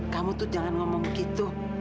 kamu tuh jangan ngomong begitu